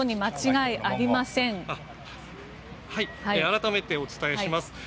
改めてお伝えします。